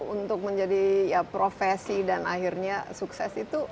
untuk menjadi ya profesi dan akhirnya sukses itu